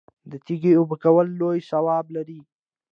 د تږي اوبه کول لوی ثواب لري.